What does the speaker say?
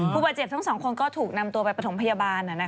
ผู้บาดเจ็บทั้งสองคนก็ถูกนำตัวไปประถมพยาบาล